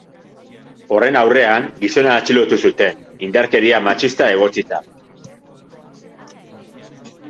Horren aurrean, gizona atxilotu zuten, indarkeria matxista egotzita.